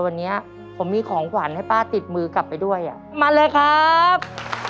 วันนี้ผมมีของขวัญให้ป้าติดมือกลับไปด้วยอ่ะมาเลยครับ